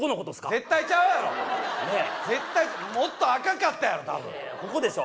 絶対ちゃうやろ絶対もっと赤かったやろたぶんここでしょ